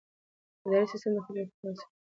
اداري سیستم د خلکو د خدمت وسیله ده.